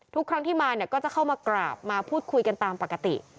ทุกครั้งที่มาเนี่ยก็จะเข้ามากราบมาพูดคุยกันตามปกติ